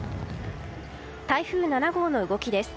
台風７号の動きです。